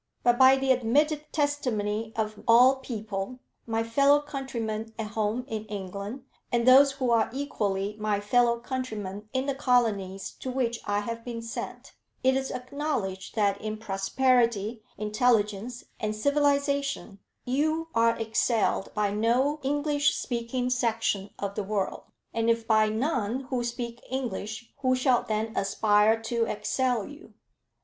But by the admitted testimony of all people, my fellow countrymen at home in England, and those who are equally my fellow countrymen in the colonies to which I have been sent, it is acknowledged that in prosperity, intelligence, and civilisation, you are excelled by no English speaking section of the world. And if by none who speak English, who shall then aspire to excel you?